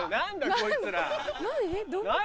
こいつら。何？